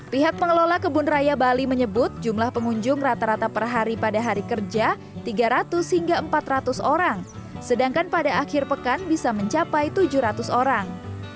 pihak pengelola kebun raya bali menyebut jumlah pengunjung rata rata per hari pada hari kerja tiga ratus hingga empat ratus orang sedangkan pada akhir pekan bisa mencapai tujuh ratus orang